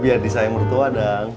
biar disayang mertua dang